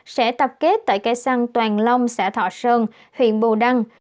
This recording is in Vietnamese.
sẽ tập kết tại cây xăng toàn long xã thọ sơn huyện bù đăng